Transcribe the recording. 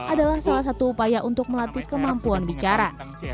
adalah salah satu upaya untuk melatih kemampuan bicara